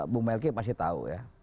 bu melki pasti tahu ya